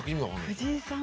藤井さん